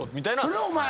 それはお前。